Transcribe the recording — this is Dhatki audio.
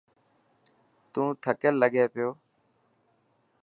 تون ٿڪيل لگي پيو.